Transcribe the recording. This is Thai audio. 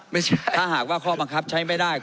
ถ้าหากว่าข้อบังคับใช้ไม่ได้